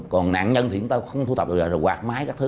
còn nạn nhân thì chúng ta không thu tập được quạt mái các thứ